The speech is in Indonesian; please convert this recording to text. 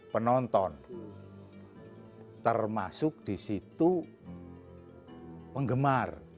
penonton termasuk di situ penggemar